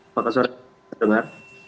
apakah suara terdengar